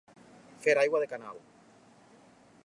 Fer aigua de canal.